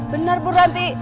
benar bu ranti